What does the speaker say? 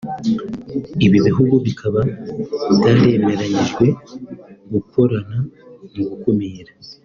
Ibi bihugu bikaba byaremeranyijwe gukorana mu gukumira